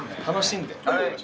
楽しんで。